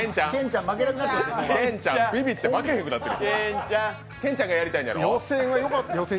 健ちゃん、ビビって負けなくなってる。